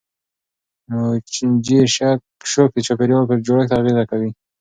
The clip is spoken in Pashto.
موجي شوک د چاپیریال په جوړښت اغېزه کوي.